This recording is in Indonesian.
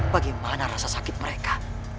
bagaimana rasa sakit mereka